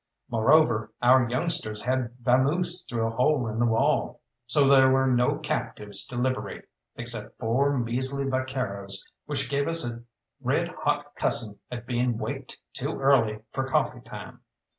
Moreover, our youngsters had vamoosed through a hole in the wall. So there were no captives to liberate, except four measly vaqueros, which gave us a red hot cussing at being waked too early for coffee time.